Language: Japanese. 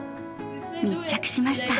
密着しました。